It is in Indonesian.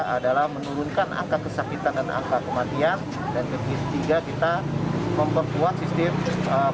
adalah menurunkan angka kesakitan dan angka kematian dan lebih ketiga kita memperkuat sistem